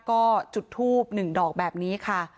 ก็จุดทูบ๑ดอกแบบนี้ค่ะ